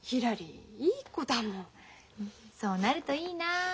そうなるといいな。